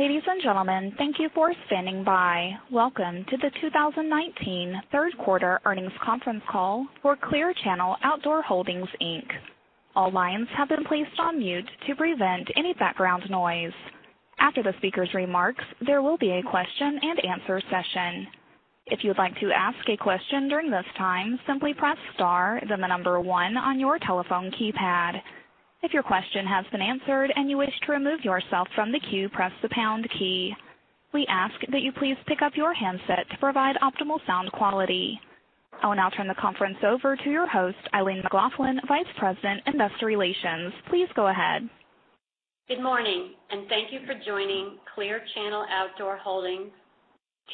Ladies and gentlemen, thank you for standing by. Welcome to the 2019 third quarter earnings conference call for Clear Channel Outdoor Holdings, Inc. All lines have been placed on mute to prevent any background noise. After the speakers' remarks, there will be a question-and-answer session. If you'd like to ask a question during this time, simply press star, then the number one on your telephone keypad. If your question has been answered and you wish to remove yourself from the queue, press the pound key. We ask that you please pick up your handset to provide optimal sound quality. I will now turn the conference over to your host, Eileen McLaughlin, Vice President, Investor Relations. Please go ahead. Good morning. Thank you for joining Clear Channel Outdoor Holdings'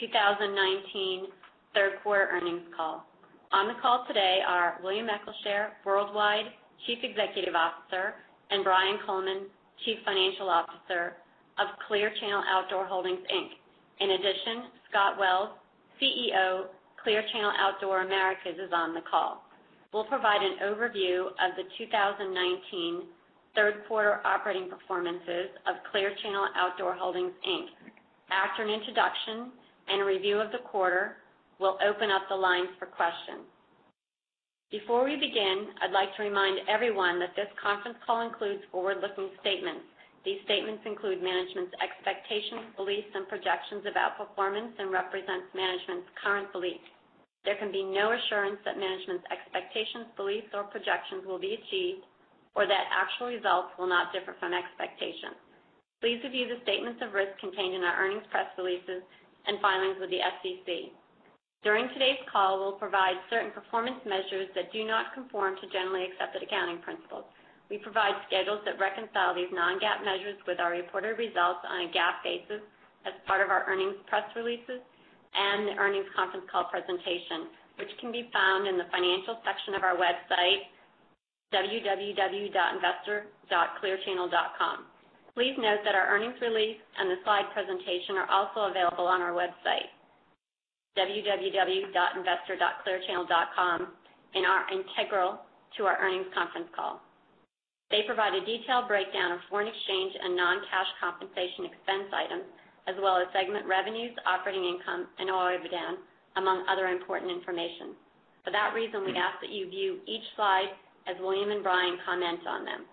2019 third quarter earnings call. On the call today are William Eccleshare, Worldwide Chief Executive Officer, and Brian Coleman, Chief Financial Officer of Clear Channel Outdoor Holdings, Inc. Scott Wells, CEO, Clear Channel Outdoor Americas, is on the call. We'll provide an overview of the 2019 third quarter operating performances of Clear Channel Outdoor Holdings, Inc. After an introduction and review of the quarter, we'll open up the lines for questions. Before we begin, I'd like to remind everyone that this conference call includes forward-looking statements. These statements include management's expectations, beliefs, and projections about performance and represents management's current beliefs. There can be no assurance that management's expectations, beliefs, or projections will be achieved or that actual results will not differ from expectations. Please review the statements of risk contained in our earnings press releases and filings with the SEC. During today's call, we'll provide certain performance measures that do not conform to generally accepted accounting principles. We provide schedules that reconcile these non-GAAP measures with our reported results on a GAAP basis as part of our earnings press releases and the earnings conference call presentation, which can be found in the Financial section of our website, www.investor.clearchannel.com. Please note that our earnings release and the slide presentation are also available on our website, www.investor.clearchannel.com, and are integral to our earnings conference call. They provide a detailed breakdown of foreign exchange and non-cash compensation expense items, as well as segment revenues, operating income, and OIBDAN, among other important information. For that reason, we ask that you view each slide as William and Brian comment on them.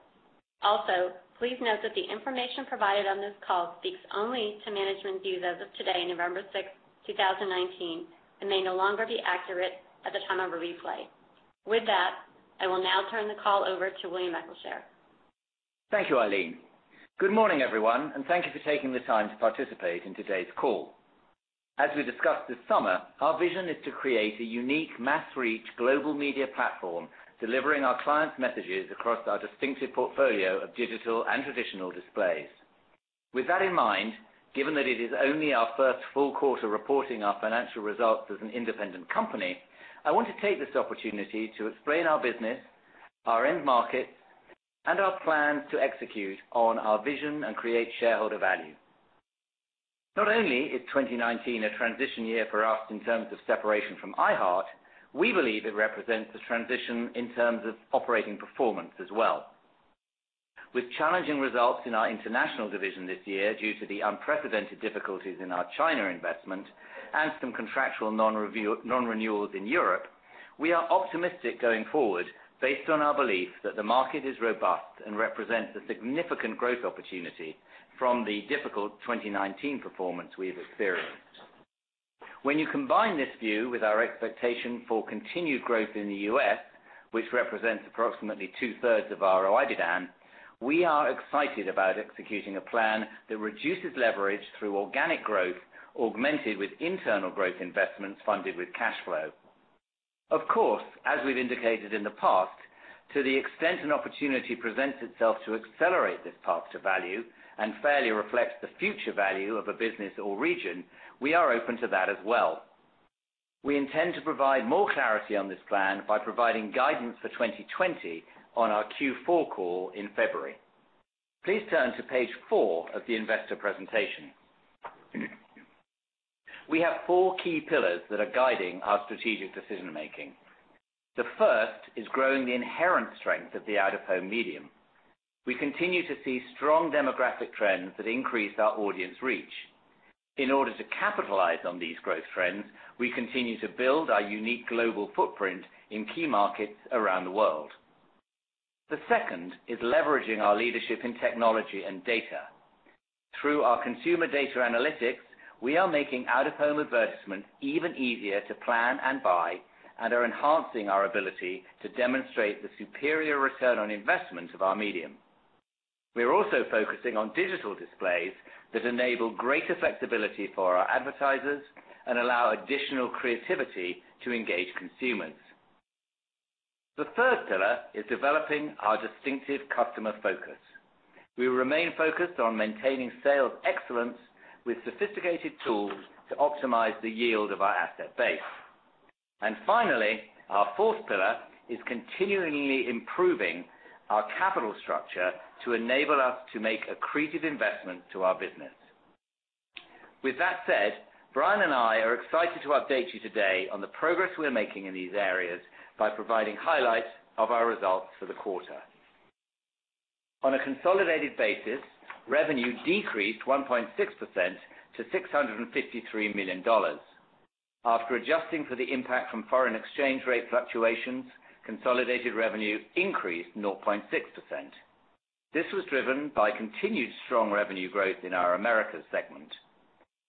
Also, please note that the information provided on this call speaks only to management views as of today, November 6, 2019, and may no longer be accurate at the time of the replay. With that, I will now turn the call over to William Eccleshare. Thank you, Eileen. Good morning, everyone, and thank you for taking the time to participate in today's call. As we discussed this summer, our vision is to create a unique mass-reach global media platform, delivering our clients' messages across our distinctive portfolio of digital and traditional displays. With that in mind, given that it is only our first full quarter reporting our financial results as an independent company, I want to take this opportunity to explain our business, our end markets, and our plans to execute on our vision and create shareholder value. Not only is 2019 a transition year for us in terms of separation from iHeart, we believe it represents a transition in terms of operating performance as well. With challenging results in our international division this year due to the unprecedented difficulties in our China investment and some contractual non-renewals in Europe, we are optimistic going forward based on our belief that the market is robust and represents a significant growth opportunity from the difficult 2019 performance we have experienced. When you combine this view with our expectation for continued growth in the U.S., which represents approximately two-thirds of our OIBDAN, we are excited about executing a plan that reduces leverage through organic growth, augmented with internal growth investments funded with cash flow. Of course, as we've indicated in the past, to the extent an opportunity presents itself to accelerate this path to value and fairly reflect the future value of a business or region, we are open to that as well. We intend to provide more clarity on this plan by providing guidance for 2020 on our Q4 call in February. Please turn to page four of the investor presentation. We have four key pillars that are guiding our strategic decision making. The first is growing the inherent strength of the out-of-home medium. We continue to see strong demographic trends that increase our audience reach. In order to capitalize on these growth trends, we continue to build our unique global footprint in key markets around the world. The second is leveraging our leadership in technology and data. Through our consumer data analytics, we are making out-of-home advertisement even easier to plan and buy and are enhancing our ability to demonstrate the superior return on investment of our medium. We are also focusing on digital displays that enable greater flexibility for our advertisers and allow additional creativity to engage consumers. The third pillar is developing our distinctive customer focus. We remain focused on maintaining sales excellence with sophisticated tools to optimize the yield of our asset base. Finally, our fourth pillar is continually improving our capital structure to enable us to make accretive investment to our business. With that said, Brian and I are excited to update you today on the progress we're making in these areas by providing highlights of our results for the quarter. On a consolidated basis, revenue decreased 1.6% to $653 million. After adjusting for the impact from foreign exchange rate fluctuations, consolidated revenue increased 0.6%. This was driven by continued strong revenue growth in our Americas segment.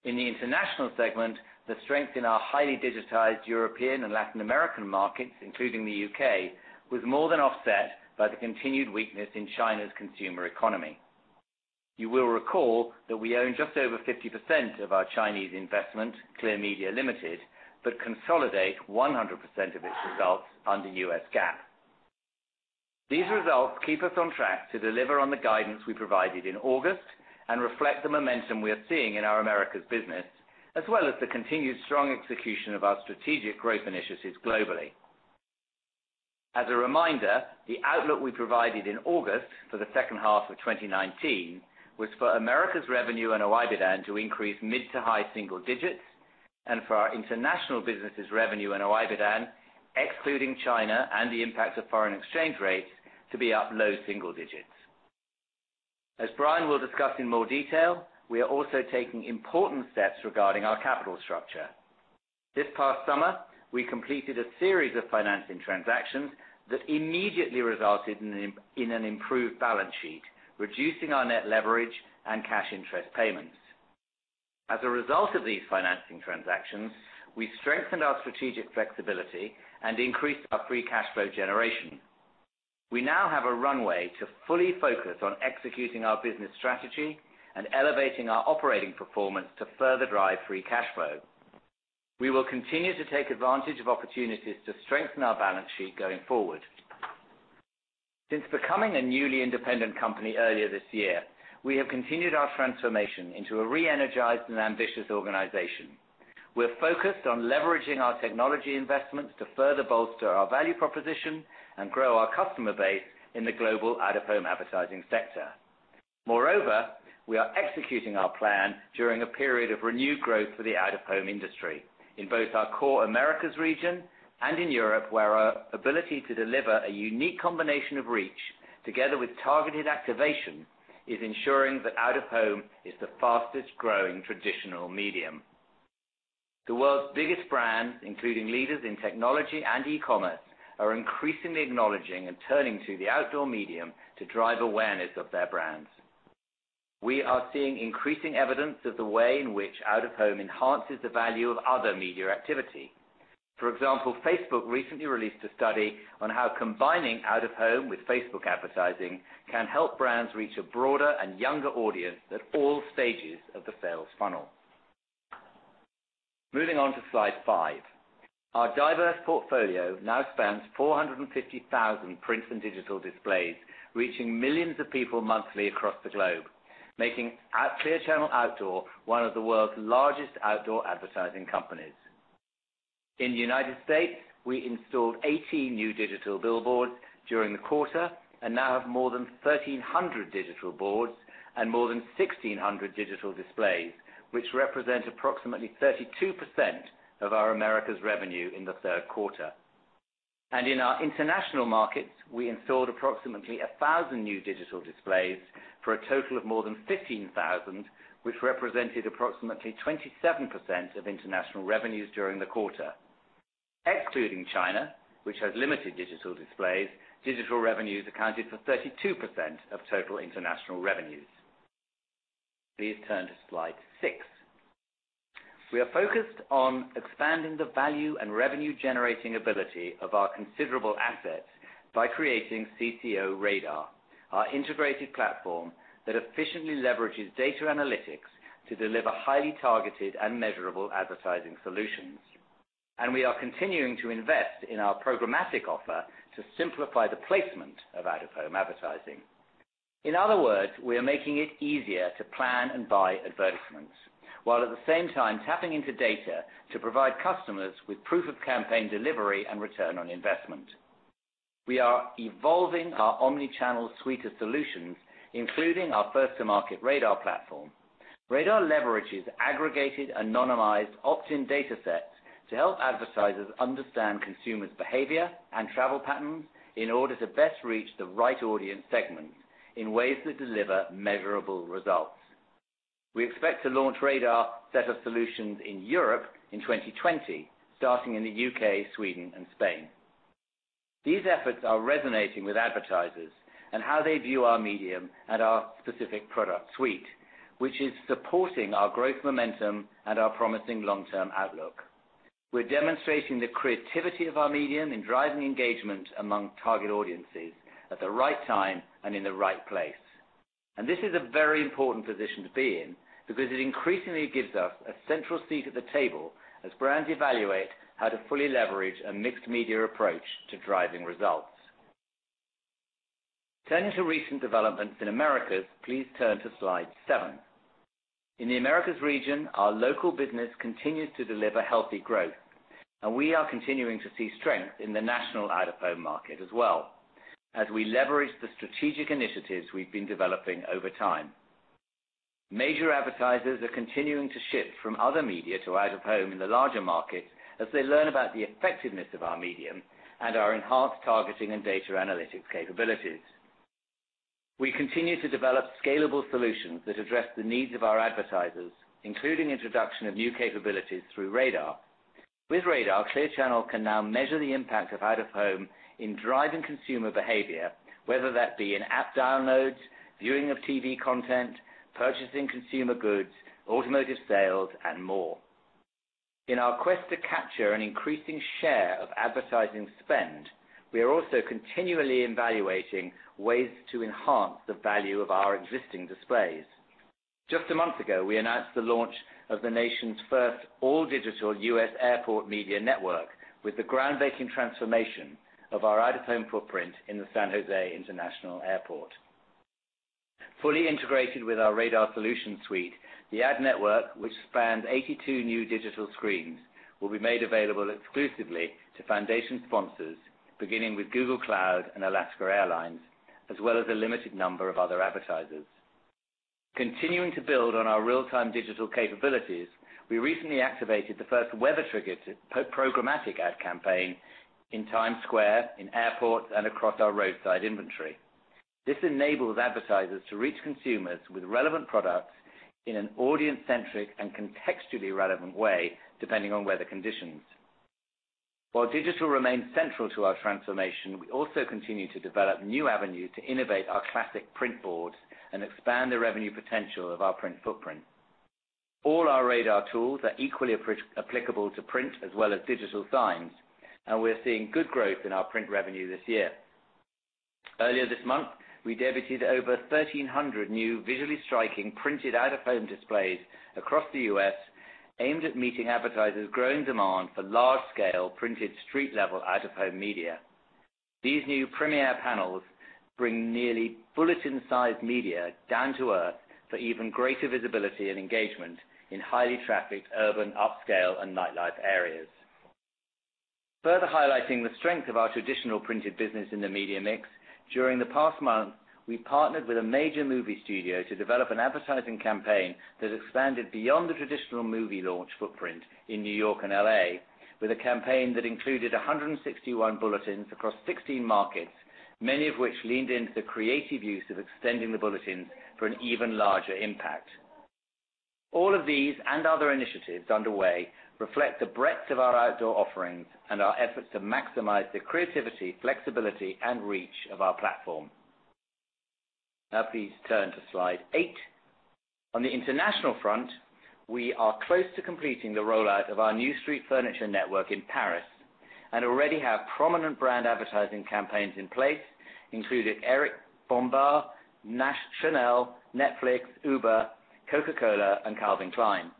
In the International segment, the strength in our highly digitized European and Latin American markets, including the U.K., was more than offset by the continued weakness in China's consumer economy. You will recall that we own just over 50% of our Chinese investment, Clear Media Limited, but consolidate 100% of its results under US GAAP. These results keep us on track to deliver on the guidance we provided in August and reflect the momentum we are seeing in our Americas business, as well as the continued strong execution of our strategic growth initiatives globally. As a reminder, the outlook we provided in August for the second half of 2019 was for Americas revenue and OIBDAN to increase mid to high single digits, and for our international businesses revenue and OIBDAN, excluding China and the impact of foreign exchange rates, to be up low single digits. As Brian will discuss in more detail, we are also taking important steps regarding our capital structure. This past summer, we completed a series of financing transactions that immediately resulted in an improved balance sheet, reducing our net leverage and cash interest payments. As a result of these financing transactions, we strengthened our strategic flexibility and increased our free cash flow generation. We now have a runway to fully focus on executing our business strategy and elevating our operating performance to further drive free cash flow. We will continue to take advantage of opportunities to strengthen our balance sheet going forward. Since becoming a newly independent company earlier this year, we have continued our transformation into a re-energized and ambitious organization. We're focused on leveraging our technology investments to further bolster our value proposition and grow our customer base in the global out of home advertising sector. We are executing our plan during a period of renewed growth for the out of home industry in both our core Americas region and in Europe, where our ability to deliver a unique combination of reach together with targeted activation, is ensuring that out of home is the fastest growing traditional medium. The world's biggest brands, including leaders in technology and e-commerce, are increasingly acknowledging and turning to the outdoor medium to drive awareness of their brands. We are seeing increasing evidence of the way in which out of home enhances the value of other media activity. For example, Facebook recently released a study on how combining out of home with Facebook advertising can help brands reach a broader and younger audience at all stages of the sales funnel. Moving on to slide five. Our diverse portfolio now spans 450,000 prints and digital displays, reaching millions of people monthly across the globe, making Clear Channel Outdoor one of the world's largest outdoor advertising companies. In the U.S., we installed 80 new digital billboards during the quarter and now have more than 1,300 digital boards and more than 1,600 digital displays, which represent approximately 32% of our Americas revenue in the third quarter. In our international markets, we installed approximately 1,000 new digital displays for a total of more than 15,000, which represented approximately 27% of international revenues during the quarter. Excluding China, which has limited digital displays, digital revenues accounted for 32% of total international revenues. Please turn to slide six. We are focused on expanding the value and revenue generating ability of our considerable assets by creating CCO RADAR, our integrated platform that efficiently leverages data analytics to deliver highly targeted and measurable advertising solutions. We are continuing to invest in our programmatic offer to simplify the placement of out of home advertising. In other words, we are making it easier to plan and buy advertisements, while at the same time tapping into data to provide customers with proof of campaign delivery and return on investment. We are evolving our omni-channel suite of solutions, including our first to market RADAR platform. RADAR leverages aggregated, anonymized, opt-in data sets to help advertisers understand consumers' behavior and travel patterns in order to best reach the right audience segments in ways that deliver measurable results. We expect to launch RADAR set of solutions in Europe in 2020, starting in the U.K., Sweden, and Spain. These efforts are resonating with advertisers and how they view our medium and our specific product suite, which is supporting our growth momentum and our promising long-term outlook. We're demonstrating the creativity of our medium in driving engagement among target audiences at the right time and in the right place. This is a very important position to be in because it increasingly gives us a central seat at the table as brands evaluate how to fully leverage a mixed media approach to driving results. Turning to recent developments in Americas, please turn to slide seven. In the Americas region, our local business continues to deliver healthy growth, and we are continuing to see strength in the national out-of-home market as well. As we leverage the strategic initiatives we've been developing over time. Major advertisers are continuing to shift from other media to out-of-home in the larger markets as they learn about the effectiveness of our medium and our enhanced targeting and data analytics capabilities. We continue to develop scalable solutions that address the needs of our advertisers, including introduction of new capabilities through RADAR. With RADAR, Clear Channel can now measure the impact of out-of-home in driving consumer behavior, whether that be in-app downloads, viewing of TV content, purchasing consumer goods, automotive sales, and more. In our quest to capture an increasing share of advertising spend, we are also continually evaluating ways to enhance the value of our existing displays. Just a month ago, we announced the launch of the nation's first all-digital U.S. airport media network with the groundbreaking transformation of our out-of-home footprint in the San Jose International Airport. Fully integrated with our RADAR solution suite, the ad network, which spans 82 new digital screens, will be made available exclusively to foundation sponsors, beginning with Google Cloud and Alaska Airlines, as well as a limited number of other advertisers. Continuing to build on our real-time digital capabilities, we recently activated the first weather-triggered, programmatic ad campaign in Times Square, in airports, and across our roadside inventory. This enables advertisers to reach consumers with relevant products in an audience-centric and contextually relevant way, depending on weather conditions. While digital remains central to our transformation, we also continue to develop new avenues to innovate our classic print boards and expand the revenue potential of our print footprint. All our RADAR tools are equally applicable to print as well as digital signs, and we're seeing good growth in our print revenue this year. Earlier this month, we debuted over 1,300 new visually striking printed out-of-home displays across the U.S. aimed at meeting advertisers' growing demand for large-scale printed street-level out-of-home media. These new premier panels bring nearly bulletin-sized media down to earth for even greater visibility and engagement in highly trafficked, urban, upscale, and nightlife areas. Further highlighting the strength of our traditional printed business in the media mix, during the past month, we partnered with a major movie studio to develop an advertising campaign that expanded beyond the traditional movie launch footprint in New York and L.A. with a campaign that included 161 bulletins across 16 markets, many of which leaned into the creative use of extending the bulletins for an even larger impact. All of these and other initiatives underway reflect the breadth of our outdoor offerings and our efforts to maximize the creativity, flexibility, and reach of our platform. Now, please turn to Slide Eight. On the international front, we are close to completing the rollout of our new street furniture network in Paris, and already have prominent brand advertising campaigns in place, including Eric Bompard, Chanel, Netflix, Uber, Coca-Cola, and Calvin Klein.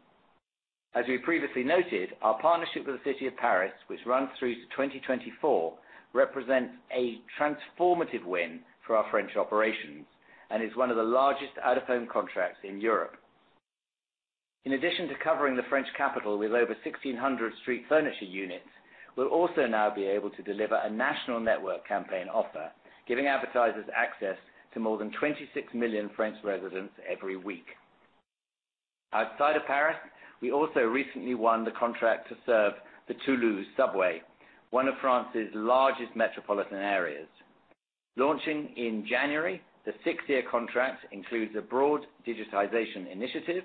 As we previously noted, our partnership with the City of Paris, which runs through to 2024, represents a transformative win for our French operations and is one of the largest out-of-home contracts in Europe. In addition to covering the French capital with over 1,600 street furniture units, we'll also now be able to deliver a national network campaign offer, giving advertisers access to more than 26 million French residents every week. Outside of Paris, we also recently won the contract to serve the Toulouse Subway, one of France's largest metropolitan areas. Launching in January, the six-year contract includes a broad digitization initiative,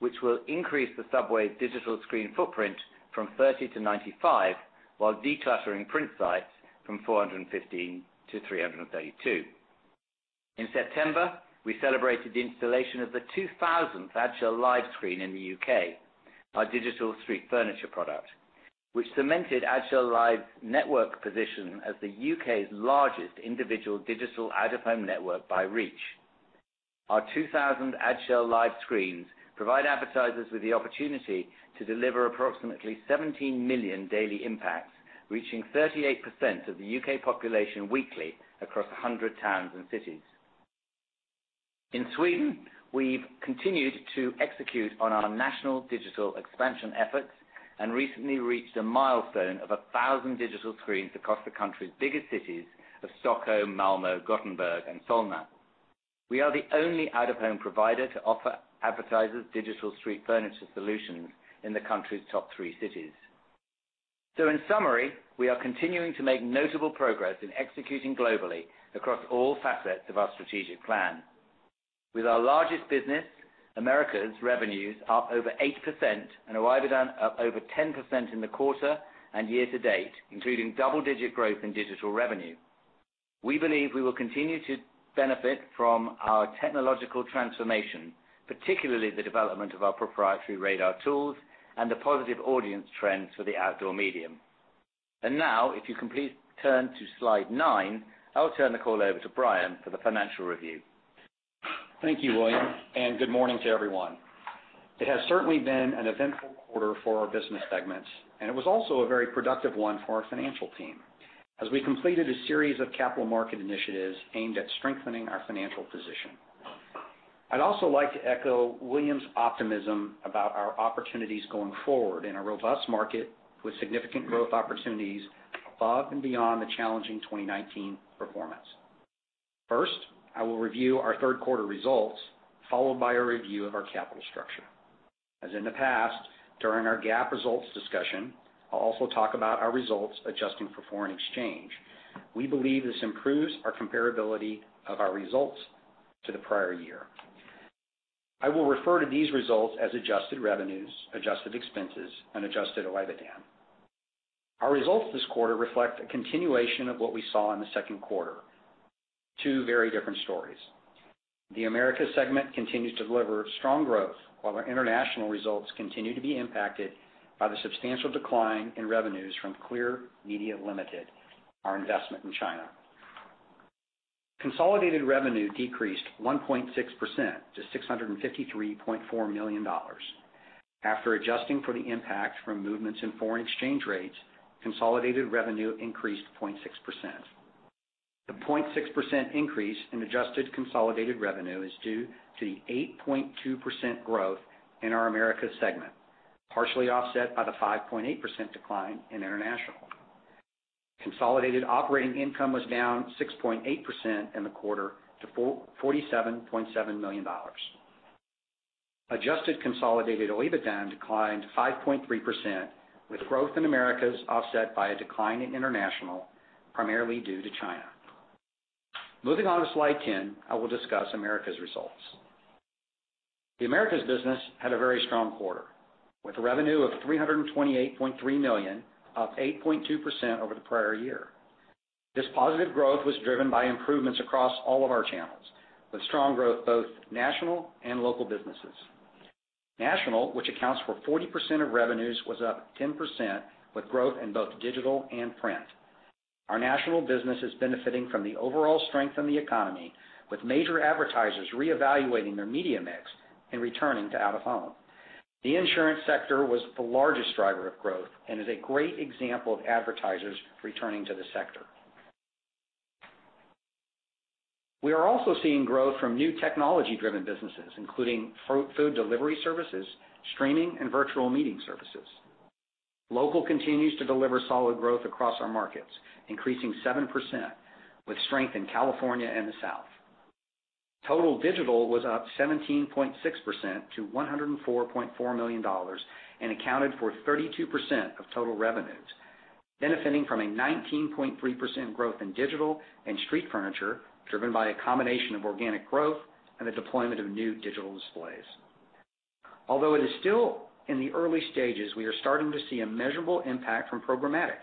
which will increase the subway's digital screen footprint from 30 to 95, while decluttering print sites from 415 to 332. In September, we celebrated the installation of the 2,000th Adshel Live screen in the U.K., our digital street furniture product, which cemented Adshel Live's network position as the U.K.'s largest individual digital out-of-home network by reach. Our 2,000 Adshel Live screens provide advertisers with the opportunity to deliver approximately 17 million daily impacts, reaching 38% of the U.K. population weekly across 100 towns and cities. In Sweden, we've continued to execute on our national digital expansion efforts and recently reached a milestone of 1,000 digital screens across the country's biggest cities of Stockholm, Malmö, Gothenburg, and Solna. We are the only out-of-home provider to offer advertisers digital street furniture solutions in the country's top three cities. In summary, we are continuing to make notable progress in executing globally across all facets of our strategic plan. With our largest business, Americas revenues up over 8% and revenues up over 10% in the quarter and year to date, including double-digit growth in digital revenue. We believe we will continue to benefit from our technological transformation, particularly the development of our proprietary RADAR tools and the positive audience trends for the outdoor medium. Now, if you could please turn to slide nine, I'll turn the call over to Brian for the financial review. Thank you, William, and good morning to everyone. It has certainly been an eventful quarter for our business segments, and it was also a very productive one for our financial team, as we completed a series of capital market initiatives aimed at strengthening our financial position. I'd also like to echo William's optimism about our opportunities going forward in a robust market with significant growth opportunities above and beyond the challenging 2019 performance. First, I will review our third quarter results, followed by a review of our capital structure. As in the past, during our GAAP results discussion, I'll also talk about our results adjusting for foreign exchange. We believe this improves our comparability of our results to the prior year. I will refer to these results as adjusted revenues, adjusted expenses, and adjusted OIBDA. Our results this quarter reflect a continuation of what we saw in the second quarter. Two very different stories. The Americas segment continues to deliver strong growth, while our international results continue to be impacted by the substantial decline in revenues from Clear Media Limited, our investment in China. Consolidated revenue decreased 1.6% to $653.4 million. After adjusting for the impact from movements in foreign exchange rates, consolidated revenue increased 0.6%. The 0.6% increase in adjusted consolidated revenue is due to the 8.2% growth in our Americas segment, partially offset by the 5.8% decline in international. Consolidated operating income was down 6.8% in the quarter to $47.7 million. Adjusted consolidated OIBDA declined 5.3%, with growth in Americas offset by a decline in international, primarily due to China. Moving on to slide 10, I will discuss Americas results. The Americas business had a very strong quarter, with a revenue of $328.3 million, up 8.2% over the prior year. This positive growth was driven by improvements across all of our channels, with strong growth both national and local businesses. National, which accounts for 40% of revenues, was up 10%, with growth in both digital and print. Our national business is benefiting from the overall strength in the economy, with major advertisers reevaluating their media mix and returning to out of home. The insurance sector was the largest driver of growth and is a great example of advertisers returning to the sector. We are also seeing growth from new technology-driven businesses, including food delivery services, streaming, and virtual meeting services. Local continues to deliver solid growth across our markets, increasing 7%, with strength in California and the South. Total digital was up 17.6% to $104.4 million and accounted for 32% of total revenues, benefiting from a 19.3% growth in digital and street furniture, driven by a combination of organic growth and the deployment of new digital displays. Although it is still in the early stages, we are starting to see a measurable impact from programmatic,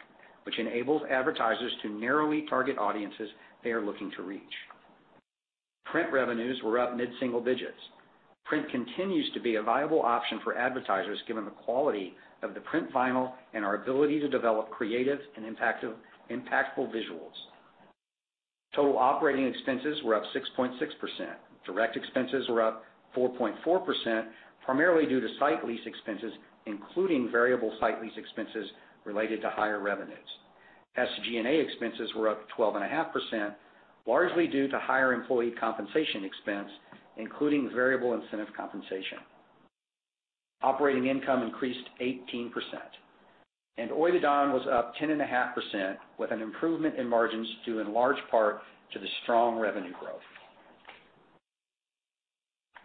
which enables advertisers to narrowly target audiences they are looking to reach. Print revenues were up mid-single digits. Print continues to be a viable option for advertisers, given the quality of the print vinyl and our ability to develop creative and impactful visuals. Total operating expenses were up 6.6%. Direct expenses were up 4.4%, primarily due to site lease expenses, including variable site lease expenses related to higher revenues. SG&A expenses were up 12.5%, largely due to higher employee compensation expense, including variable incentive compensation. Operating income increased 18%, and OIBDA was up 10.5%, with an improvement in margins due in large part to the strong revenue growth.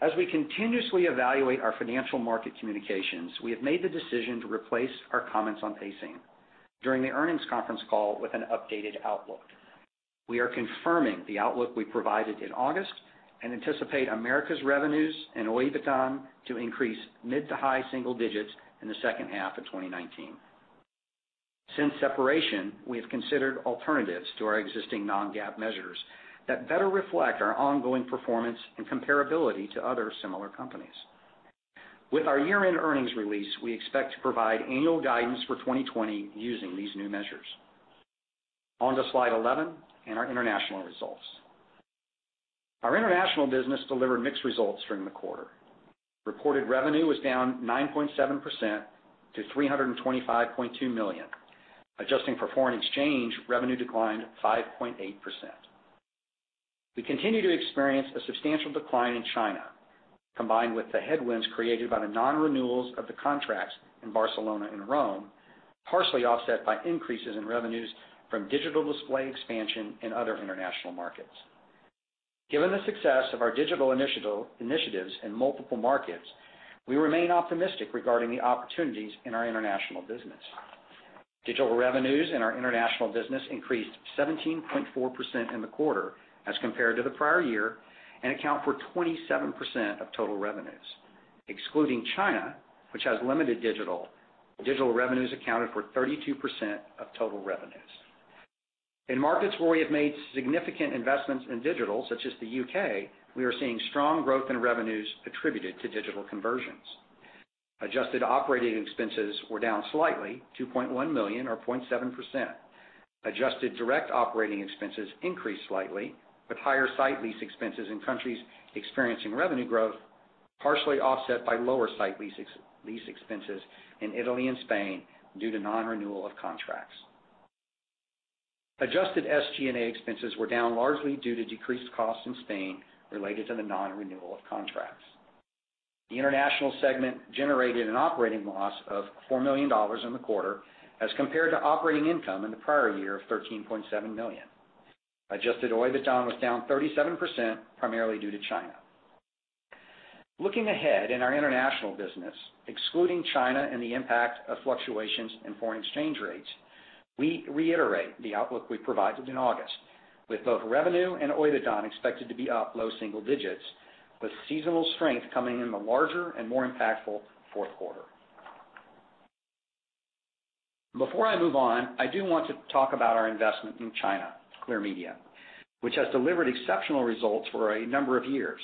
As we continuously evaluate our financial market communications, we have made the decision to replace our comments on pacing during the earnings conference call with an updated outlook. We are confirming the outlook we provided in August and anticipate Americas revenues and OIBDA to increase mid to high single digits in the second half of 2019. Since separation, we have considered alternatives to our existing non-GAAP measures that better reflect our ongoing performance and comparability to other similar companies. With our year-end earnings release, we expect to provide annual guidance for 2020 using these new measures. On to slide 11 and our international results. Our international business delivered mixed results during the quarter. Reported revenue was down 9.7% to $325.2 million. Adjusting for foreign exchange, revenue declined 5.8%. We continue to experience a substantial decline in China, combined with the headwinds created by the non-renewals of the contracts in Barcelona and Rome, partially offset by increases in revenues from digital display expansion in other international markets. Given the success of our digital initiatives in multiple markets, we remain optimistic regarding the opportunities in our international business. Digital revenues in our international business increased 17.4% in the quarter as compared to the prior year and account for 27% of total revenues. Excluding China, which has limited digital revenues accounted for 32% of total revenues. In markets where we have made significant investments in digital, such as the U.K., we are seeing strong growth in revenues attributed to digital conversions. Adjusted operating expenses were down slightly, 2.1 million or 0.7%. Adjusted direct operating expenses increased slightly, with higher site lease expenses in countries experiencing revenue growth, partially offset by lower site lease expenses in Italy and Spain due to non-renewal of contracts. Adjusted SG&A expenses were down largely due to decreased costs in Spain related to the non-renewal of contracts. The international segment generated an operating loss of $4 million in the quarter as compared to operating income in the prior year of $13.7 million. Adjusted OIBDA was down 37%, primarily due to China. Looking ahead in our international business, excluding China and the impact of fluctuations in foreign exchange rates, we reiterate the outlook we provided in August, with both revenue and OIBDA expected to be up low single digits, with seasonal strength coming in the larger and more impactful fourth quarter. Before I move on, I do want to talk about our investment in China, Clear Media, which has delivered exceptional results for a number of years.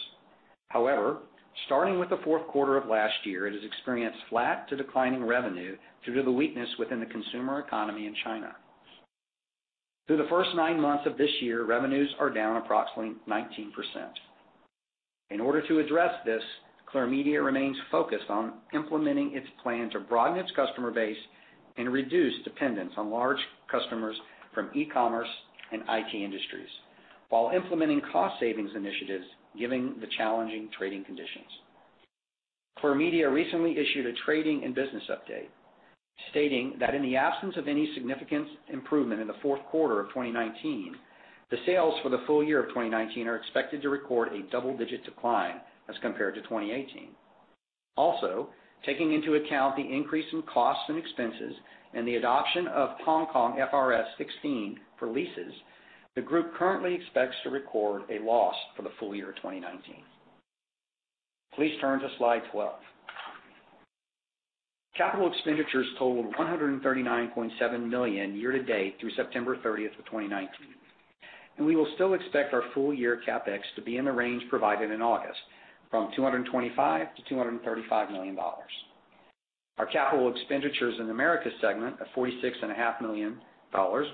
However, starting with the fourth quarter of last year, it has experienced flat to declining revenue due to the weakness within the consumer economy in China. Through the first nine months of this year, revenues are down approximately 19%. In order to address this, Clear Media remains focused on implementing its plan to broaden its customer base and reduce dependence on large customers from e-commerce and IT industries, while implementing cost savings initiatives given the challenging trading conditions. Clear Media recently issued a trading and business update, stating that in the absence of any significant improvement in the fourth quarter of 2019, the sales for the full year of 2019 are expected to record a double-digit decline as compared to 2018. Taking into account the increase in costs and expenses and the adoption of Hong Kong FRS 16 for leases, the group currently expects to record a loss for the full year of 2019. Please turn to slide 12. Capital expenditures totaled $139.7 million year to date through September 30th of 2019, and we will still expect our full year CapEx to be in the range provided in August, $225 million-$235 million. Our capital expenditures in the Americas segment of $46.5 million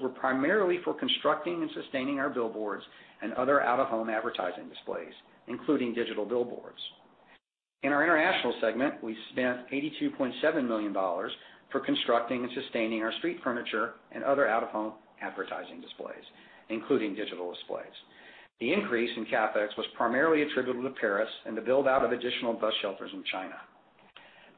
were primarily for constructing and sustaining our billboards and other out-of-home advertising displays, including digital billboards. In our international segment, we spent $82.7 million for constructing and sustaining our street furniture and other out-of-home advertising displays, including digital displays. The increase in CapEx was primarily attributable to Paris and the build-out of additional bus shelters in China.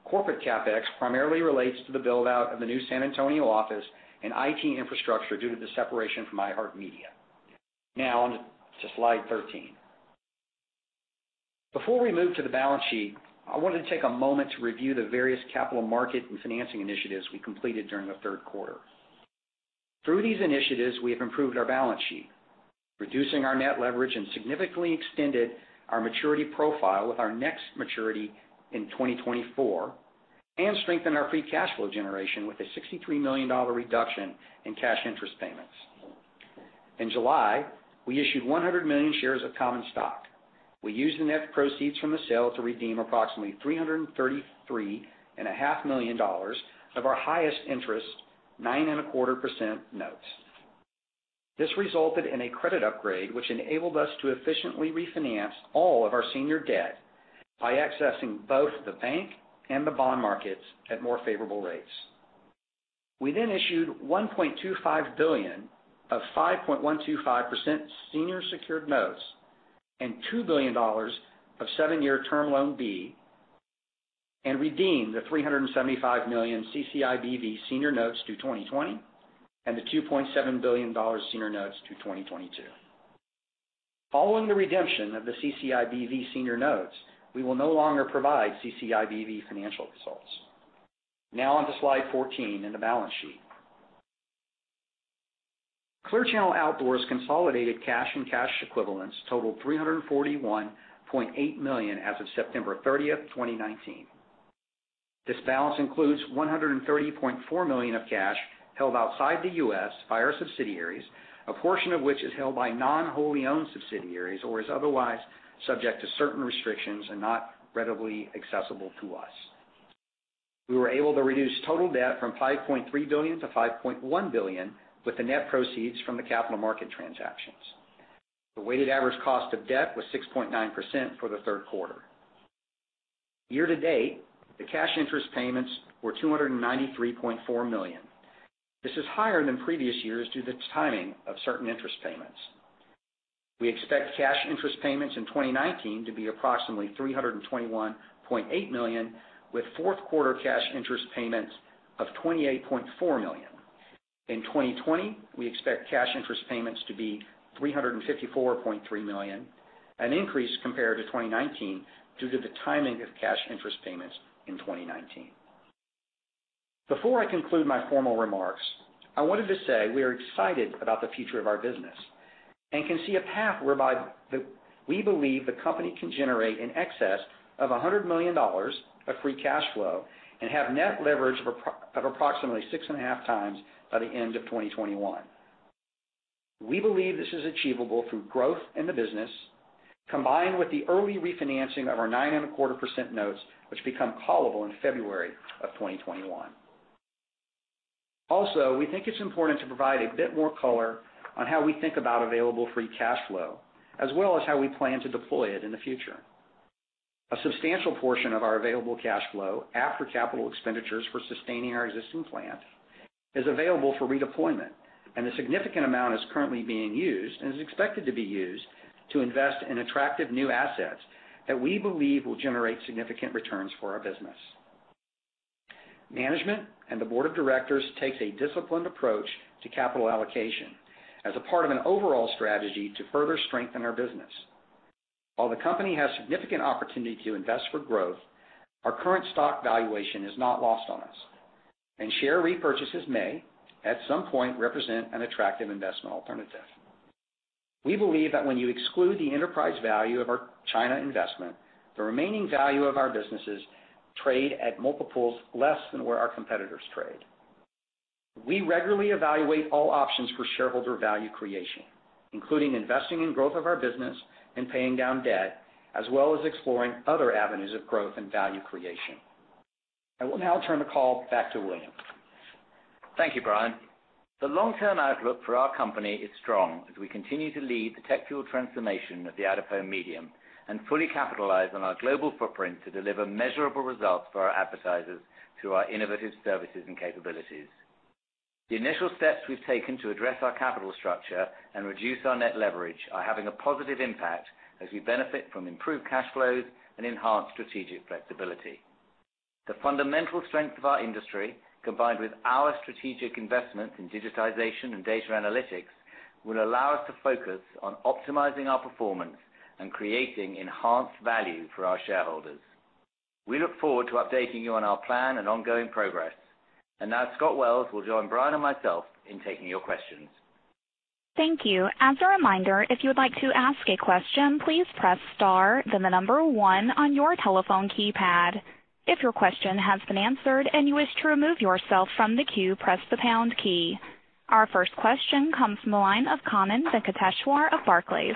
Corporate CapEx primarily relates to the build-out of the new San Antonio office and IT infrastructure due to the separation from iHeartMedia. Now on to slide 13. Before we move to the balance sheet, I want to take a moment to review the various capital market and financing initiatives we completed during the third quarter. Through these initiatives, we have improved our balance sheet, reducing our net leverage and significantly extended our maturity profile with our next maturity in 2024, and strengthened our free cash flow generation with a $63 million reduction in cash interest payments. In July, we issued 100 million shares of common stock. We used the net proceeds from the sale to redeem approximately $333.5 million of our highest interest, 9.25% notes. This resulted in a credit upgrade, which enabled us to efficiently refinance all of our senior debt by accessing both the bank and the bond markets at more favorable rates. We then issued $1.25 billion of 5.125% senior secured notes and $2 billion of seven-year term loan B and redeemed the $375 million CCIBV senior notes due 2020 and the $2.7 billion senior notes due 2022. Following the redemption of the CCIBV senior notes, we will no longer provide CCIBV financial results. Now on to slide 14 and the balance sheet. Clear Channel Outdoor's consolidated cash and cash equivalents totaled $341.8 million as of September 30th, 2019. This balance includes $130.4 million of cash held outside the U.S. by our subsidiaries, a portion of which is held by non-wholly owned subsidiaries or is otherwise subject to certain restrictions and not readily accessible to us. We were able to reduce total debt from $5.3 billion to $5.1 billion with the net proceeds from the capital market transactions. The weighted average cost of debt was 6.9% for the third quarter. Year to date, the cash interest payments were $293.4 million. This is higher than previous years due to the timing of certain interest payments. We expect cash interest payments in 2019 to be approximately $321.8 million, with fourth quarter cash interest payments of $28.4 million. In 2020, we expect cash interest payments to be $354.3 million, an increase compared to 2019 due to the timing of cash interest payments in 2019. Before I conclude my formal remarks, I wanted to say we are excited about the future of our business and can see a path whereby we believe the company can generate in excess of $100 million of free cash flow and have net leverage of approximately six and a half times by the end of 2021. We believe this is achievable through growth in the business, combined with the early refinancing of our 9.25% notes, which become callable in February of 2021. We think it's important to provide a bit more color on how we think about available free cash flow, as well as how we plan to deploy it in the future. A substantial portion of our available cash flow after capital expenditures for sustaining our existing plant is available for redeployment, and a significant amount is currently being used and is expected to be used to invest in attractive new assets that we believe will generate significant returns for our business. Management and the board of directors takes a disciplined approach to capital allocation as a part of an overall strategy to further strengthen our business. While the company has significant opportunity to invest for growth, our current stock valuation is not lost on us, and share repurchases may, at some point, represent an attractive investment alternative. We believe that when you exclude the enterprise value of our China investment, the remaining value of our businesses trade at multiples less than where our competitors trade. We regularly evaluate all options for shareholder value creation, including investing in growth of our business and paying down debt, as well as exploring other avenues of growth and value creation. I will now turn the call back to William. Thank you, Brian. The long-term outlook for our company is strong as we continue to lead the tech-fueled transformation of the out-of-home medium and fully capitalize on our global footprint to deliver measurable results for our advertisers through our innovative services and capabilities. The initial steps we've taken to address our capital structure and reduce our net leverage are having a positive impact as we benefit from improved cash flows and enhanced strategic flexibility. The fundamental strength of our industry, combined with our strategic investments in digitization and data analytics, will allow us to focus on optimizing our performance and creating enhanced value for our shareholders. We look forward to updating you on our plan and ongoing progress. Now Scott Wells will join Brian and myself in taking your questions. Thank you. As a reminder, if you would like to ask a question, please press star, then the number one on your telephone keypad. If your question has been answered and you wish to remove yourself from the queue, press the pound key. Our first question comes from the line of Kannan Venkateshwar of Barclays.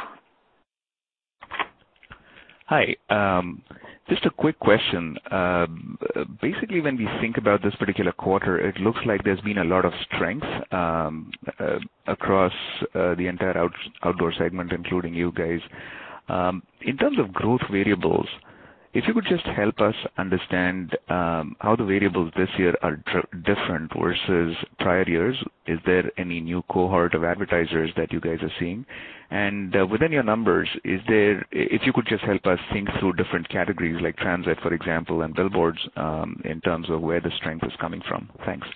Hi. Just a quick question. Basically, when we think about this particular quarter, it looks like there's been a lot of strength across the entire outdoor segment, including you guys. In terms of growth variables, if you could just help us understand how the variables this year are different versus prior years. Is there any new cohort of advertisers that you guys are seeing? Within your numbers, if you could just help us think through different categories like transit, for example, and billboards, in terms of where the strength is coming from. Thanks.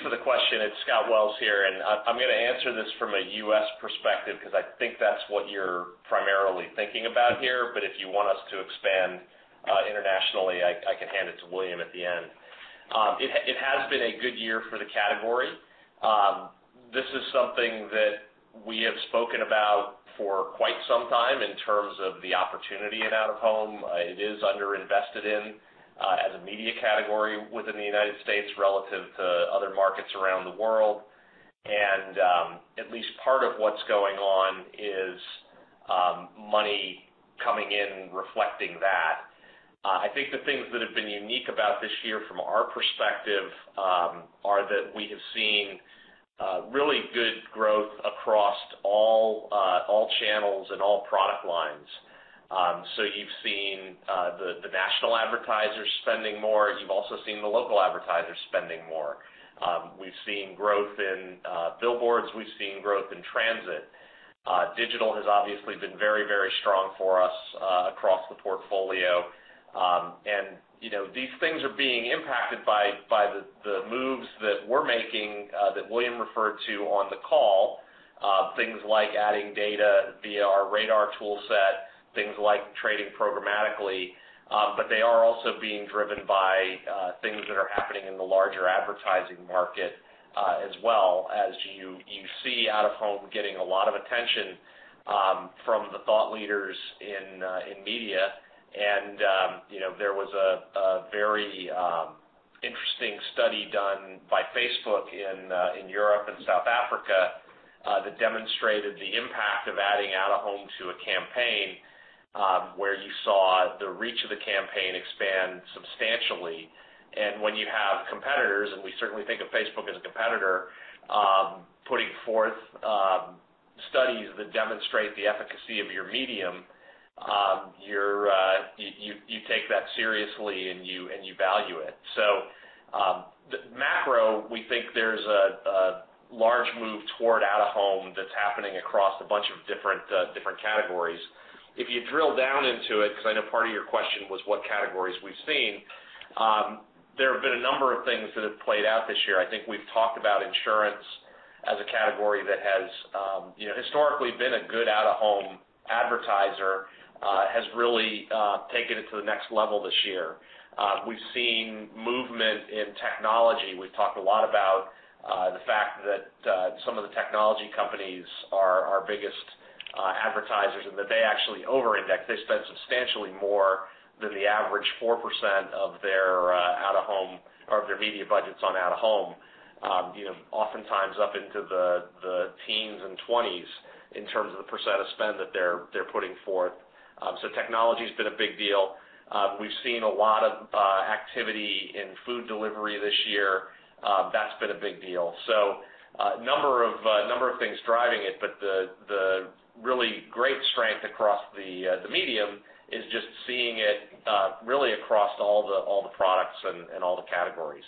Thanks for the question. It's Scott Wells here, and I'm going to answer this from a U.S. perspective because I think that's what you're primarily thinking about here. If you want us to expand internationally, I can hand it to William at the end. It has been a good year for the category. This is something that we have spoken about for quite some time in terms of the opportunity in out-of-home. It is under-invested in as a media category within the United States relative to other markets around the world. At least part of what's going on is money coming in reflecting that. I think the things that have been unique about this year from our perspective are that we have seen really good growth across all channels and all product lines. You've seen the national advertisers spending more. You've also seen the local advertisers spending more. We've seen growth in billboards. We've seen growth in transit. Digital has obviously been very strong for us across the portfolio. These things are being impacted by the moves that we're making, that William referred to on the call. Things like adding data via our RADAR tool set, things like trading programmatically. They are also being driven by things that are happening in the larger advertising market, as well as you see out-of-home getting a lot of attention from the thought leaders in media. There was a very interesting study done by Facebook in Europe and South Africa that demonstrated the impact of adding out-of-home to a campaign, where you saw the reach of the campaign expand substantially. When you have competitors, and we certainly think of Facebook as a competitor, putting forth studies that demonstrate the efficacy of your medium, you take that seriously and you value it. macro, we think there's a large move toward out-of-home that's happening across a bunch of different categories. If you drill down into it, because I know part of your question was what categories we've seen, there have been a number of things that have played out this year. I think we've talked about insurance as a category that has historically been a good out-of-home advertiser, has really taken it to the next level this year. We've seen movement in technology. We've talked a lot about the fact that some of the technology companies are our biggest advertisers, and that they actually over-index. They spend substantially more than the average 4% of their media budgets on out-of-home, oftentimes up into the teens and 20s in terms of the % of spend that they're putting forth. technology's been a big deal. We've seen a lot of activity in food delivery this year. That's been a big deal. a number of things driving it, but the really great strength across the medium is just seeing it really across all the products and all the categories.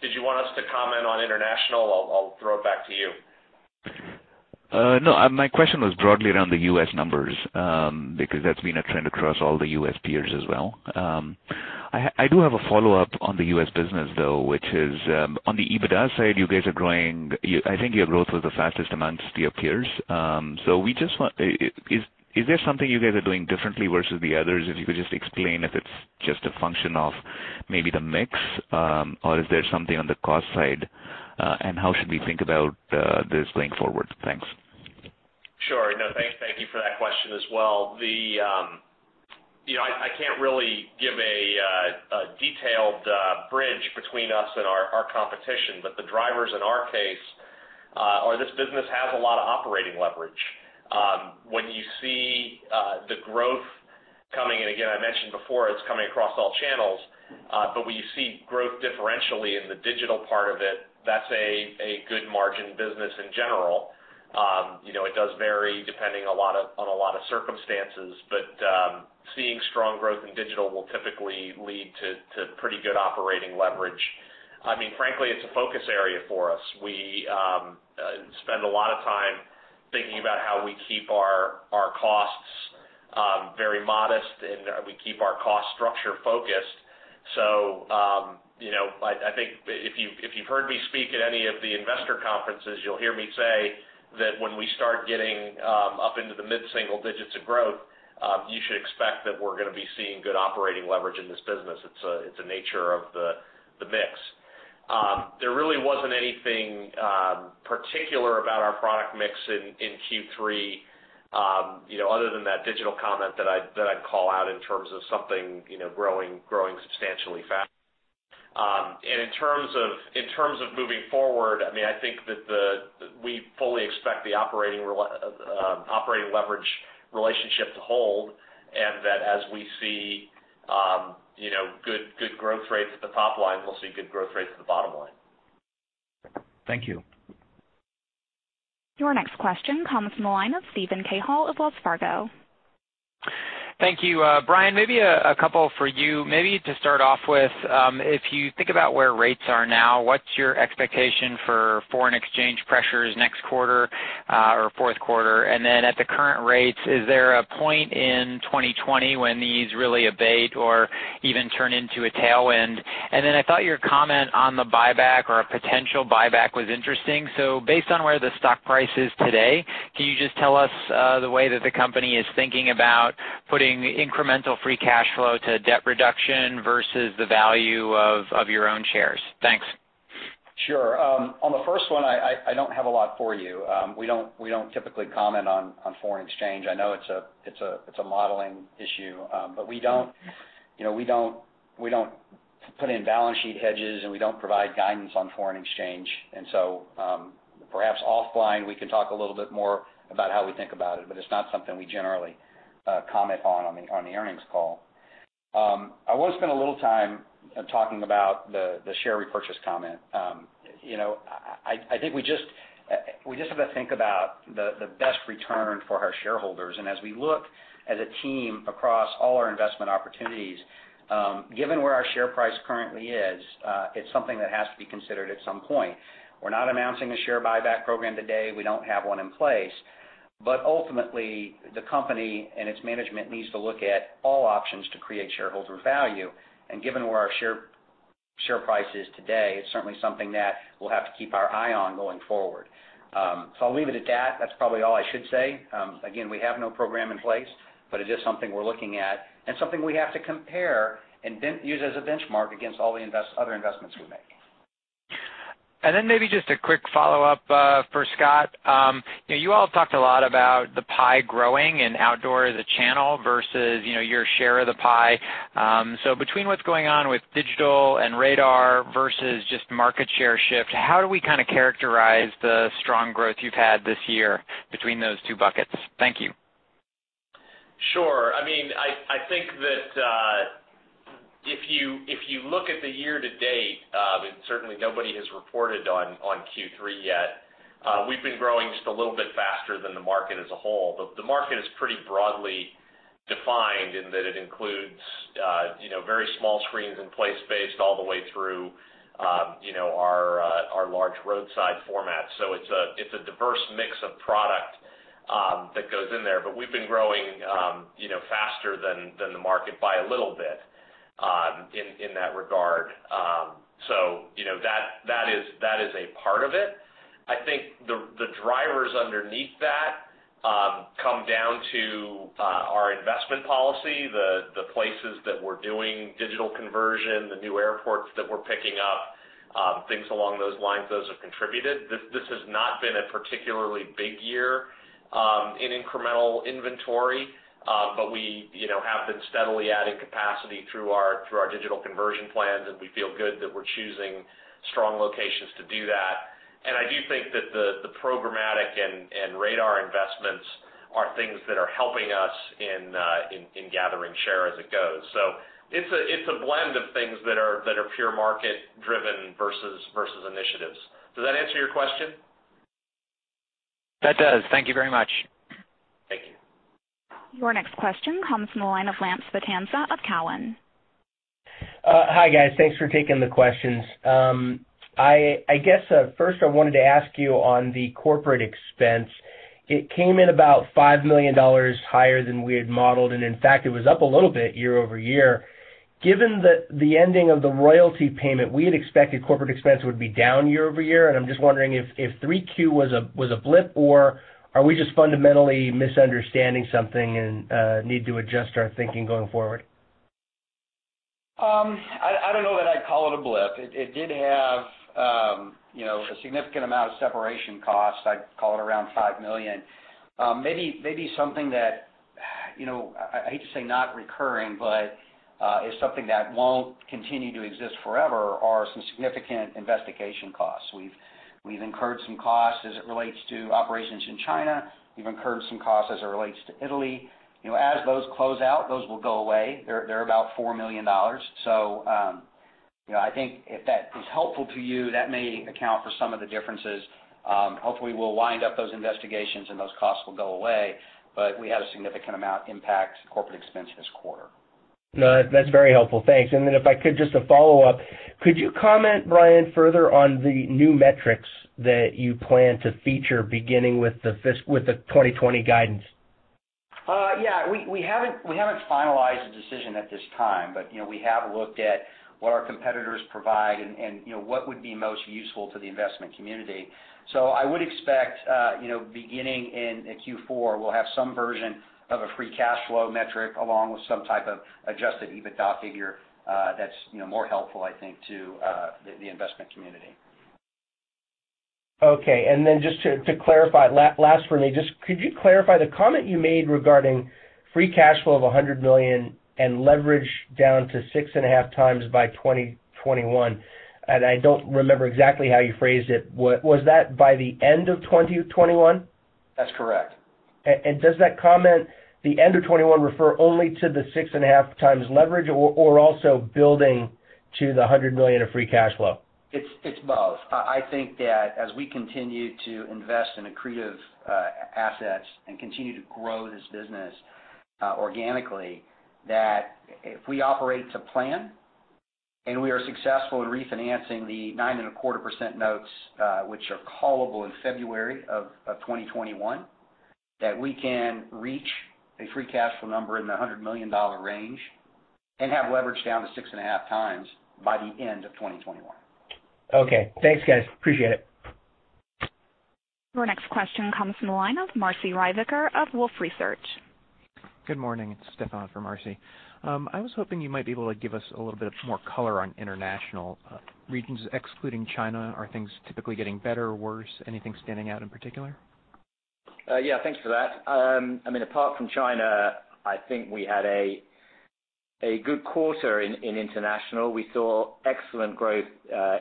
Did you want us to comment on international? I'll throw it back to you. No, my question was broadly around the U.S. numbers, because that's been a trend across all the U.S. peers as well. I do have a follow-up on the U.S. business, though, which is on the EBITDA side, you guys are growing. I think your growth was the fastest among your peers. Is there something you guys are doing differently versus the others? If you could just explain if it's just a function of maybe the mix, or is there something on the cost side, and how should we think about this going forward? Thanks. Sure. No, thank you for that question as well. I can't really give a detailed bridge between us and our competition, but the drivers in our case are this business has a lot of operating leverage. When you see the growth coming in, again, I mentioned before, it's coming across all channels. When you see growth differentially in the digital part of it, that's a good margin business in general. It does vary depending on a lot of circumstances, but seeing strong growth in digital will typically lead to pretty good operating leverage. Frankly, it's a focus area for us. We spend a lot of time thinking about how we keep our costs very modest, and we keep our cost structure focused. I think if you've heard me speak at any of the investor conferences, you'll hear me say that when we start getting up into the mid-single digits of growth, you should expect that we're going to be seeing good operating leverage in this business. It's the nature of the mix. There really wasn't anything particular about our product mix in Q3 other than that digital comment that I'd call out in terms of something growing substantially fast. In terms of moving forward, I think that we fully expect the operating leverage relationship to hold, and that as we see good growth rates at the top line, we'll see good growth rates at the bottom line. Thank you. Your next question comes from the line of Steven Cahall of Wells Fargo. Thank you. Brian, maybe a couple for you. Maybe to start off with, if you think about where rates are now, what's your expectation for foreign exchange pressures next quarter or fourth quarter? At the current rates, is there a point in 2020 when these really abate or even turn into a tailwind? I thought your comment on the buyback or a potential buyback was interesting. Based on where the stock price is today, can you just tell us the way that the company is thinking about putting incremental free cash flow to debt reduction versus the value of your own shares? Thanks. Sure. On the first one, I don't have a lot for you. We don't typically comment on foreign exchange. I know it's a modeling issue, but we don't put in balance sheet hedges, and we don't provide guidance on foreign exchange. perhaps offline, we can talk a little bit more about how we think about it, but it's not something we generally comment on the earnings call. I want to spend a little time talking about the share repurchase comment. I think we just have to think about the best return for our shareholders. as we look as a team across all our investment opportunities, given where our share price currently is, it's something that has to be considered at some point. We're not announcing a share buyback program today. We don't have one in place. Ultimately, the company and its management needs to look at all options to create shareholder value. Given where our share price is today, it's certainly something that we'll have to keep our eye on going forward. I'll leave it at that. That's probably all I should say. Again, we have no program in place, but it is something we're looking at and something we have to compare and use as a benchmark against all the other investments we make. Maybe just a quick follow-up for Scott. You all talked a lot about the pie growing and outdoor as a channel versus your share of the pie. Between what's going on with digital and radar versus just market share shift, how do we kind of characterize the strong growth you've had this year between those two buckets? Thank you. Sure. I think that if you look at the year to date, and certainly nobody has reported on Q3 yet, we've been growing just a little bit faster than the market as a whole. The market is pretty broadly defined in that it includes very small screens in place based all the way through our large roadside format. It's a diverse mix of product that goes in there. We've been growing faster than the market by a little bit in that regard. That is a part of it. I think the drivers underneath that come down to our investment policy, the places that we're doing digital conversion, the new airports that we're picking up, things along those lines. Those have contributed. This has not been a particularly big year in incremental inventory, but we have been steadily adding capacity through our digital conversion plans, and we feel good that we're choosing strong locations to do that. I do think that the programmatic and RADAR investments are things that are helping us in gathering share as it goes. It's a blend of things that are pure market-driven versus initiatives. Does that answer your question? That does. Thank you very much. Thank you. Your next question comes from the line of Lance Vitanza of Cowen. Hi, guys. Thanks for taking the questions. I guess, first I wanted to ask you on the corporate expense, it came in about $5 million higher than we had modeled, and in fact, it was up a little bit year-over-year. Given the ending of the royalty payment, we had expected corporate expense would be down year-over-year, and I'm just wondering if 3Q was a blip, or are we just fundamentally misunderstanding something and need to adjust our thinking going forward? I don't know that I'd call it a blip. It did have a significant amount of separation costs. I'd call it around $5 million. Maybe something that, I hate to say not recurring, but is something that won't continue to exist forever, are some significant investigation costs. We've incurred some costs as it relates to operations in China. We've incurred some costs as it relates to Italy. As those close out, those will go away. They're about $4 million. I think if that is helpful to you, that may account for some of the differences. Hopefully, we'll wind up those investigations, and those costs will go away. We had a significant amount impact corporate expense this quarter. No, that's very helpful. Thanks. If I could, just a follow-up. Could you comment, Brian, further on the new metrics that you plan to feature beginning with the 2020 guidance? Yeah. We haven't finalized a decision at this time, but we have looked at what our competitors provide and what would be most useful to the investment community. I would expect, beginning in Q4, we'll have some version of a free cash flow metric along with some type of adjusted EBITDA figure that's more helpful, I think, to the investment community. Okay. just to clarify, last from me. Just could you clarify the comment you made regarding free cash flow of $100 million and leverage down to six and a half times by 2021? I don't remember exactly how you phrased it. Was that by the end of 2021? That's correct. does that comment, the end of 2021, refer only to the six and a half times leverage or also building to the $100 million of free cash flow? It's both. I think that as we continue to invest in accretive assets and continue to grow this business organically, that if we operate to plan and we are successful in refinancing the 9.25% notes which are callable in February of 2021, that we can reach a free cash flow number in the $100 million range and have leverage down to six and a half times by the end of 2021. Okay. Thanks, guys. Appreciate it. Your next question comes from the line of Marcie Ryvicker of Wolfe Research. Good morning. It's Stefan for Marcie. I was hoping you might be able to give us a little bit more color on international regions excluding China. Are things typically getting better or worse? Anything standing out in particular? Yeah. Thanks for that. Apart from China, I think we had a good quarter in international. We saw excellent growth,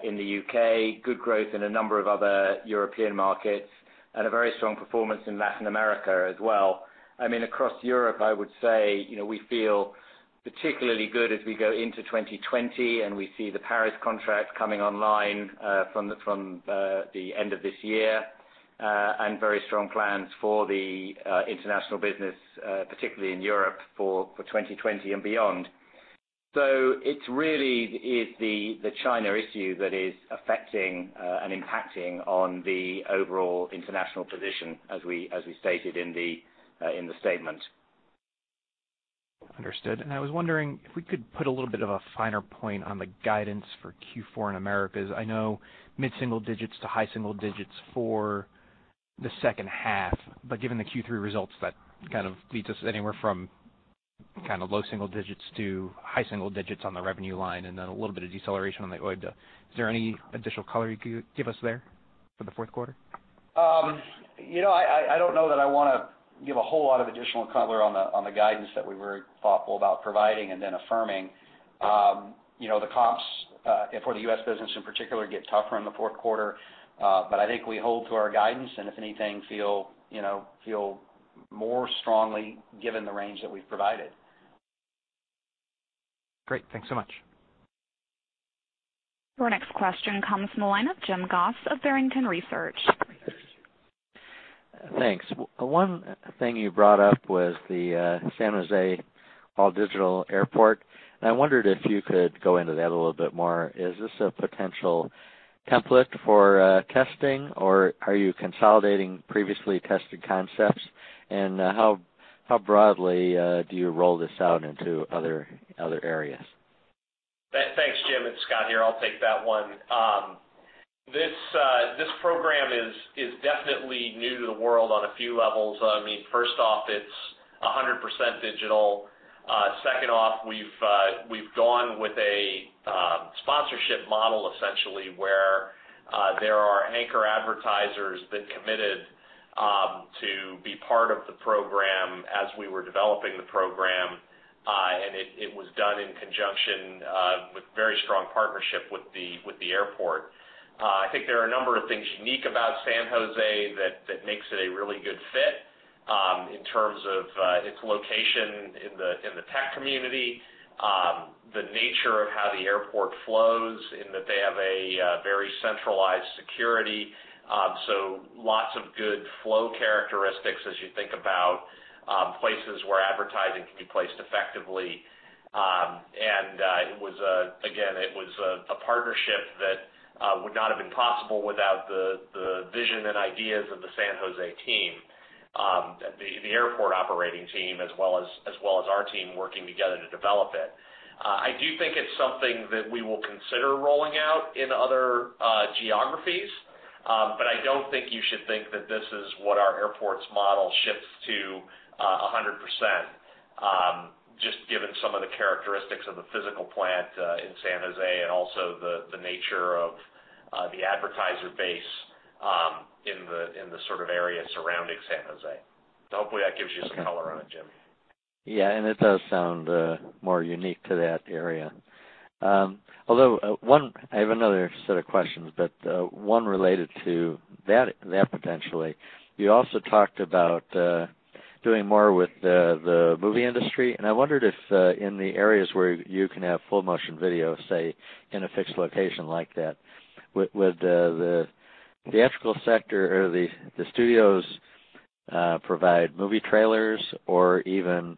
in the U.K. Good growth in a number of other European markets, and a very strong performance in Latin America as well. Across Europe, I would say, we feel particularly good as we go into 2020 and we see the Paris contract coming online, from the end of this year, and very strong plans for the international business, particularly in Europe, for 2020 and beyond. It really is the China issue that is affecting and impacting on the overall international position as we stated in the statement. Understood. I was wondering if we could put a little bit of a finer point on the guidance for Q4 in Americas. I know mid-single digits to high single digits for the second half, but given the Q3 results, that kind of leads us anywhere from low single digits to high single digits on the revenue line, and then a little bit of deceleration on the OIBDA. Is there any additional color you could give us there for the fourth quarter? I don't know that I want to give a whole lot of additional color on the guidance that we were thoughtful about providing and then affirming. The comps for the U.S. business in particular get tougher in the fourth quarter. I think we hold to our guidance, and if anything, feel more strongly given the range that we've provided. Great. Thanks so much. Your next question comes from the line of Jim Goss of Barrington Research. Thanks. One thing you brought up was the San Jose all-digital airport. I wondered if you could go into that a little bit more. Is this a potential template for testing, or are you consolidating previously tested concepts? How broadly do you roll this out into other areas? Thanks, Jim. It's Scott here. I'll take that one. This program is definitely new to the world on a few levels. First off, it's 100% digital. Second off, we've gone with a sponsorship model, essentially, where there are anchor advertisers that committed To be part of the program as we were developing the program, and it was done in conjunction with very strong partnership with the airport. I think there are a number of things unique about San Jose that makes it a really good fit in terms of its location in the tech community, the nature of how the airport flows in that they have a very centralized security. Lots of good flow characteristics as you think about places where advertising can be placed effectively. Again, it was a partnership that would not have been possible without the vision and ideas of the San Jose team, the airport operating team, as well as our team working together to develop it. I do think it's something that we will consider rolling out in other geographies. I don't think you should think that this is what our airports model shifts to 100%, just given some of the characteristics of the physical plant in San Jose and also the nature of the advertiser base in the sort of area surrounding San Jose. Hopefully that gives you some color on it, Jim. Yeah. It does sound more unique to that area. Although, I have another set of questions, but one related to that potentially. You also talked about doing more with the movie industry, and I wondered if in the areas where you can have full motion video, say, in a fixed location like that, would the theatrical sector or the studios provide movie trailers or even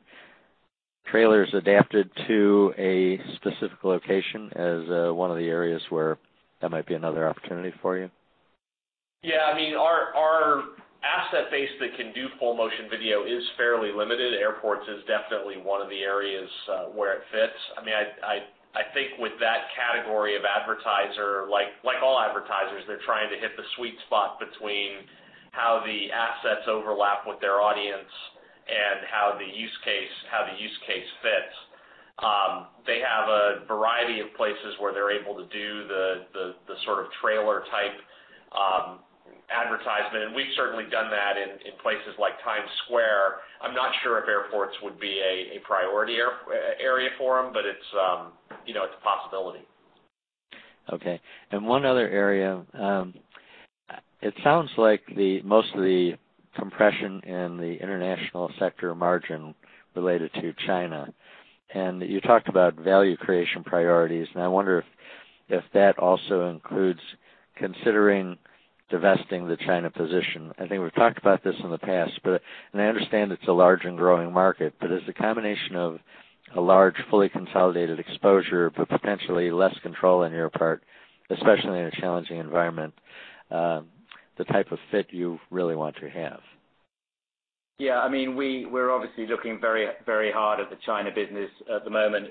trailers adapted to a specific location as one of the areas where that might be another opportunity for you? Yeah, our asset base that can do full motion video is fairly limited. Airports is definitely one of the areas where it fits. I think with that category of advertiser, like all advertisers, they're trying to hit the sweet spot between how the assets overlap with their audience and how the use case fits. They have a variety of places where they're able to do the sort of trailer type advertisement, and we've certainly done that in places like Times Square. I'm not sure if airports would be a priority area for them, but it's a possibility. Okay. One other area. It sounds like most of the compression in the international sector margin related to China, and you talked about value creation priorities, and I wonder if that also includes considering divesting the China position. I think we've talked about this in the past, and I understand it's a large and growing market, but as a combination of a large, fully consolidated exposure, but potentially less control on your part, especially in a challenging environment, the type of fit you really want to have. Yeah, we're obviously looking very hard at the China business at the moment.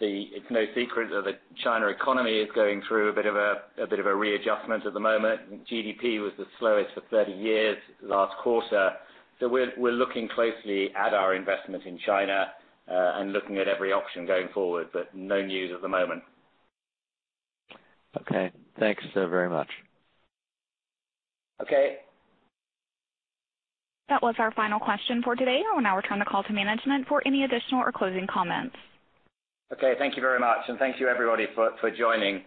It's no secret that the China economy is going through a bit of a readjustment at the moment. GDP was the slowest for 30 years last quarter. We're looking closely at our investment in China, and looking at every option going forward, but no news at the moment. Okay. Thanks very much. Okay. That was our final question for today. I will now return the call to management for any additional or closing comments. Okay. Thank you very much, and thank you everybody for joining.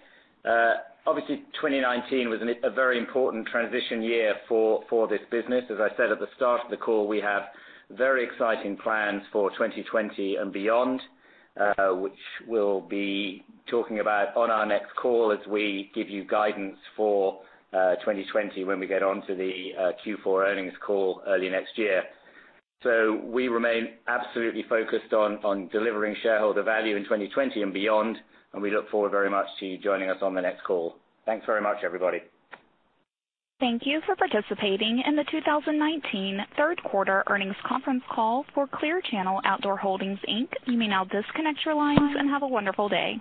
Obviously, 2019 was a very important transition year for this business. As I said at the start of the call, we have very exciting plans for 2020 and beyond, which we'll be talking about on our next call as we give you guidance for 2020 when we get onto the Q4 earnings call early next year. We remain absolutely focused on delivering shareholder value in 2020 and beyond, and we look forward very much to you joining us on the next call. Thanks very much, everybody. Thank you for participating in the 2019 third quarter earnings conference call for Clear Channel Outdoor Holdings, Inc. You may now disconnect your lines and have a wonderful day.